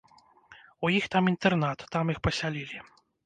У іх там інтэрнат, там іх пасялілі.